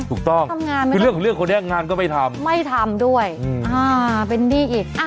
ถูกต้องก็เลือกคนแด้งงานก็ไม่ทำไม่ทำด้วยเป็นดีอีก